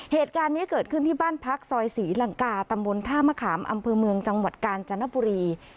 เหตุการณ์นี้เกิดขึ้นที่บ้านพักซอยศรีลังกาตำบลท่ามะขามอำเภอเมืองจังหวัดกาญจนบุรี